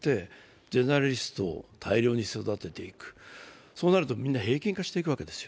ゼネラリストを大量に育てていく、そうなるとみんな平均化していくわけです。